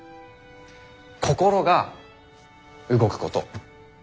心が動くこと。